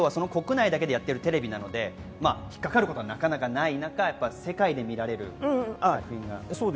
普通だったら国内だけでやっているテレビなので、引っ掛かることはなかなかない中、世界で見られる作品が。